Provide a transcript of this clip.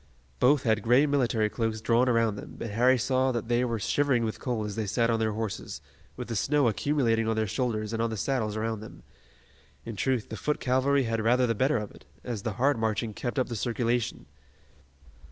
Both had gray military cloaks drawn around them, but Harry saw that they were shivering with cold as they sat on their horses, with the snow accumulating on their shoulders and on the saddles around them. In truth, the foot cavalry had rather the better of it, as the hard marching kept up the circulation.